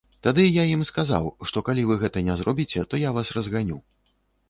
Тады я ім сказаў, што калі вы гэта не зробіце, то я вас разганю.